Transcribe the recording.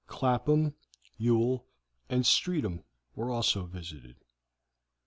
Clapham, Ewell, and Streatham were also visited.